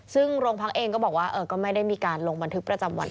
ซึ่งโรงพักเองก็บอกว่าก็ไม่ได้มีการลงบันทึกประจำวัน